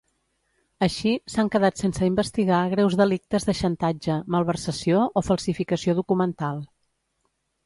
Així, s'han quedat sense investigar greus delictes de xantatge, malversació o falsificació documental.